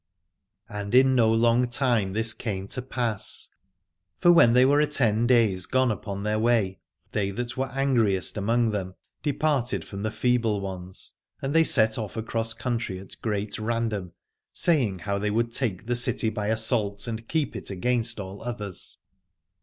And in no long time this came to pass. For when they were a ten days gone upon their way, they that were angriest among them departed from the feeble ones : and they set off across country at great random, saying how they would take the city by assault and keep it against all others.